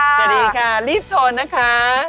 สวัสดีค่ะรีบโทรนะคะ